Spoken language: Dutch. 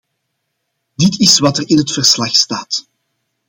Dit is wat er in het verslag staat.